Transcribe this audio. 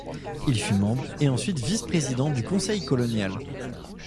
Il fut membre et ensuite vice-président du Conseil colonial.